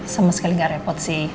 sama sekali nggak repot sih